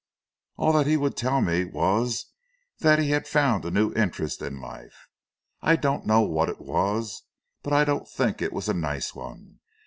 All that he would tell me was that he had found a new interest in life. I don't know what it was but I don't think it was a nice one.